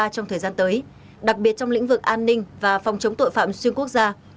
trong thời gian tới đặc biệt trong lĩnh vực an ninh và phòng chống tội phạm xuyên quốc gia